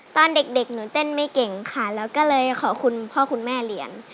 ตอนเด็กหนูเต้นไม่เก่งค่ะแล้วก็เลยขอคุณพ่อคุณแม่เรียน